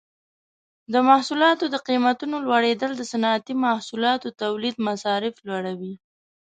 د محصولاتو د قیمتونو لوړیدل د صنعتي محصولاتو تولید مصارف لوړوي.